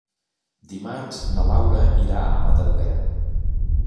Dimarts na Laura irà a Matadepera.